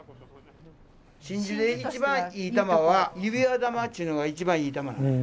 真珠で一番いい珠は指輪珠っちゅうのが一番いい珠なのよ。